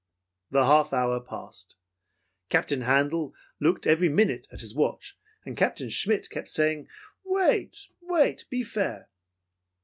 "The half hour passed. Captain Handel looked every minute at his watch, and Captain Schmitt kept saying, 'Wait, wait; be fair.'